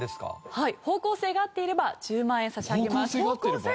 はい方向性が合っていれば１０万円差し上げます。